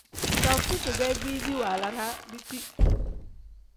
Taufik-dee biidi waala daa biti.